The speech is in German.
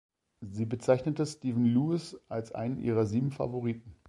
Sie bezeichnete Stephen Lewis als einen ihrer sieben Favoriten.